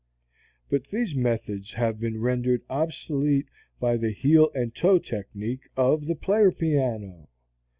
But these methods have been rendered obsolete by the heel and toe technique of the playerpiano.